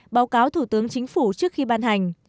báo cáo thủ tướng chính phủ trước khi ban hành